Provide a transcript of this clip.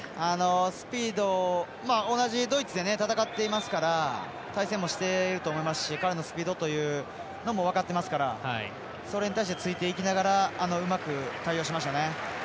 スピード、同じドイツで戦っていますから対戦もしてると思いますし彼のスピードというのも分かってますからそれに対してついていきながらうまく対応しましたね。